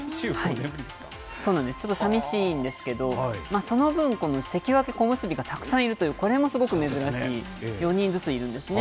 そうなんです、ちょっとさみしいんですけど、その分、この関脇、小結がたくさんいるという、これもすごく珍しい、４人ずついるんですね。